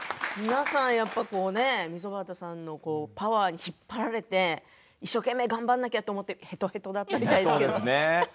皆さん溝端さんのパワーに引っ張られて一生懸命頑張んなきゃと思ってへとへとだったみたいですけど。